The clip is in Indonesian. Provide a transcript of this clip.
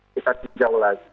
kita pinjau lagi